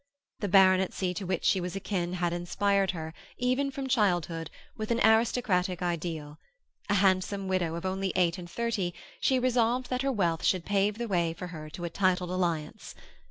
The baronetcy to which she was akin had inspired her, even from childhood, with an aristocratic ideal; a handsome widow of only eight and thirty, she resolved that her wealth should pave the way for her to a titled alliance.